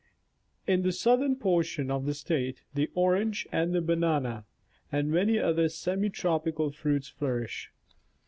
In the southei'n portion of the State, the orange and the banana and many other semi tropical fruits flourish.